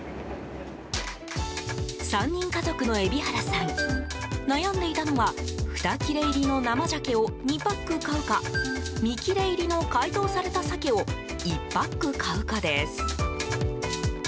３人家族の海老原さん悩んでいたのは２切れ入りの生ジャケを２パック買うか３切れ入りの解凍されたサケを１パック買うかです。